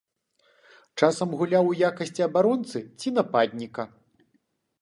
Часам гуляў у якасці абаронцы ці нападніка.